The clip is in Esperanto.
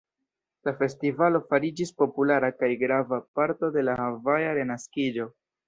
La festivalo fariĝis populara kaj grava parto de la havaja renaskiĝo.